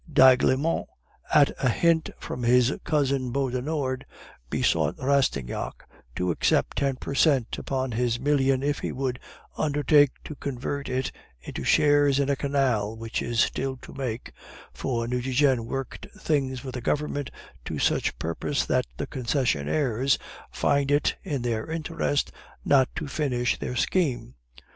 D'Aiglemont, at a hint from his cousin Beaudenord, besought Rastignac to accept ten per cent upon his million if he would undertake to convert it into shares in a canal which is still to make, for Nucingen worked things with the Government to such purpose that the concessionaires find it to their interest not to finish their scheme.